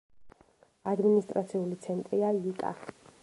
ადმინისტრაციული ცენტრია იკა.